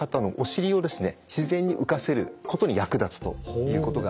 自然に浮かせることに役立つということがあります。